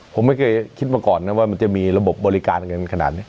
ผมไม่เคยคิดมาก่อนนะว่ามันจะมีระบบบริการกันขนาดนี้